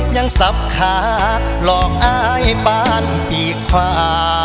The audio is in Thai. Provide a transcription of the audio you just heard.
ยังสับขาหลอกอายบ้านที่ขวา